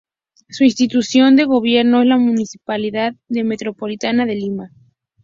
Su institución de gobierno es la Municipalidad Metropolitana de Lima.